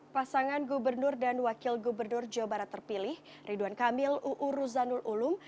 pasangan gubernur dan wakil gubernur jawa barat terpilih ridwan kamil uu ruzanul ulum